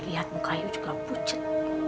lihat muka kamu juga pucat